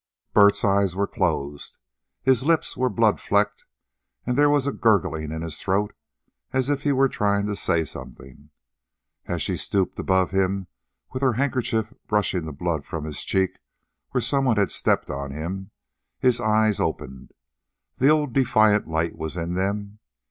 Bert's eyes were closed. His lips were blood flecked, and there was a gurgling in his throat as if he were trying to say something. As she stooped above him, with her handkerchief brushing the blood from his cheek where some one had stepped on him, his eyes opened. The old defiant light was in them.